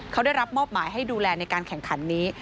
เขาได้รับมอบหมายให้ดูแลในการแข่งขันนี้